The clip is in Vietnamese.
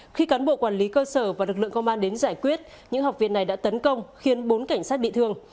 khi cán bộ quản lý cơ sở và lực lượng công an đến giải quyết những học viên này đã tấn công khiến bốn cảnh sát bị thương